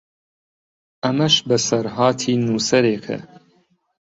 ئەمەش بەسەرهاتی نووسەرێکە